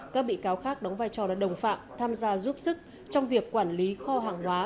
các bị cáo khác đóng vai trò là đồng phạm tham gia giúp sức trong việc quản lý kho hàng hóa